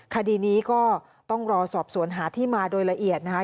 คดีนี้ก็ต้องรอสอบสวนหาที่มาโดยละเอียดนะคะ